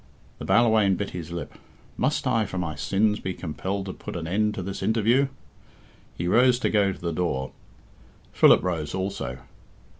The Ballawhaine bit his lip. "Must I, for my sins, be compelled to put an end to this interview?" He rose to go to the door. Philip rose also.